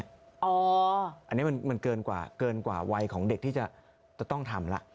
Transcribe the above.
อันนี้มันเกินกว่าวัยของเด็กที่จะต้องทำละ